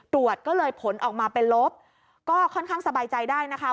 ตรวจก็เลยผลออกมาเป็นลบก็ค่อนข้างสบายใจได้นะคะ